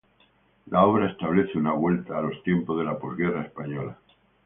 La obra establece una vuelta a los tiempos de la posguerra española.